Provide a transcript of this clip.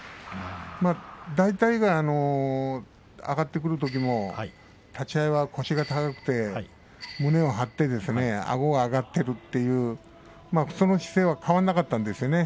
大体が上がってくるときの立ち合い、腰が高くて胸を張ってですねあごが上がっているというその姿勢は変わらなかったんです。